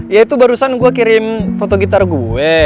ya itu barusan gue kirim foto gitar gue